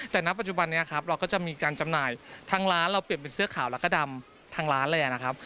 แต่ณปัจจุบันนี้ครับเราก็จะมีการจำหน่ายทั้งร้านเราเปลี่ยนเป็นเสื้อขาวแล้วก็ดำทางร้านเลยนะครับ